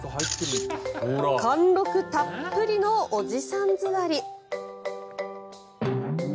貫禄たっぷりのおじさん座り。